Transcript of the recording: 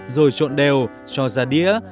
rồi trộn đều cho ra đĩa